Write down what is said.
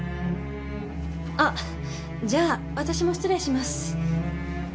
あっじゃあ私も失礼します。